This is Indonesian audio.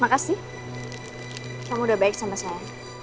makasih kamu udah baik sama saya